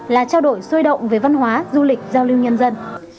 là trao đổi sôi động về văn hóa du lịch giao lưu nhân dân